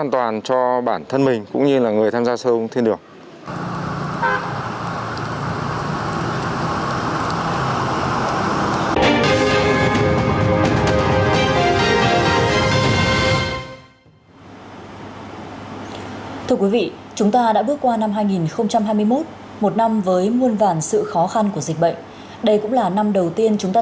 nữa nữa nữa nữa nữa nữa nữa nữa nữa nữa nữa nữa nữa nữa